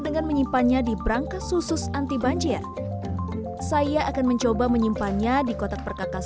dengan menyimpannya di berangkas susus anti banjir saya akan mencoba menyimpannya di kotak perkakas